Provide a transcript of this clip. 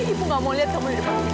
ibu gak mau lihat kamu di depan